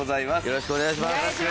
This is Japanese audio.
よろしくお願いします。